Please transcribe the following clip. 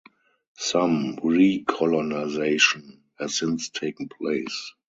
Some recolonisation has since taken place.